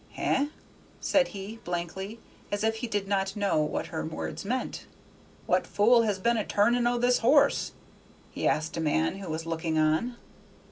"Heh?" said he, blankly, as if he did not know what her words meant. "What fool has been a turning o' this horse?" he asked a man who was looking on.